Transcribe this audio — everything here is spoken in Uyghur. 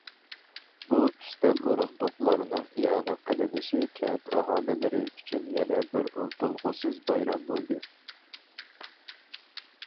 بۇ ئۈستەل ئورۇندۇقلارنىڭ ئىئانە قىلىنىشى كەنت ئاھالىلىرى ئۈچۈن يەنە بىر ئۇنتۇلغۇسىز بايرام بولدى.